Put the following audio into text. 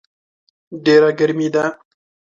ډېره ګرمي ده